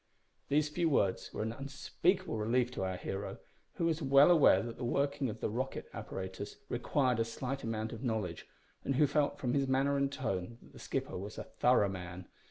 These few words were an unspeakable relief to our hero, who was well aware that the working of the rocket apparatus required a slight amount of knowledge, and who felt from his manner and tone that the skipper was a thorough man.